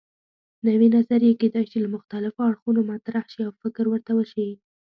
نوې نظریې کیدای شي له مختلفو اړخونو مطرح شي او فکر ورته وشي.